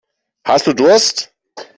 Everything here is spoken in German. Hast du Durst?